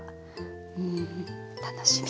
うん楽しみ。